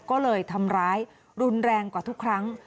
ก็เลยทำร้ายรุนแรงกว่าทุกครั้ง